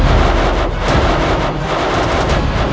akan kau menang